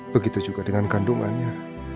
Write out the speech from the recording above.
begitu juga dengan kandungannya